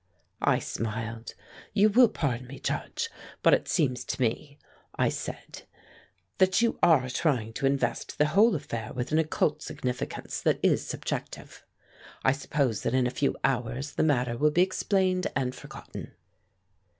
I smiled. "You will pardon me, Judge, but it seems to me," I said, "that you are trying to invest the whole affair with an occult significance that is subjective. I suppose that in a few hours the matter will be explained and forgotten."